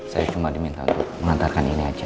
saya cuma diminta untuk mengantarkan ini aja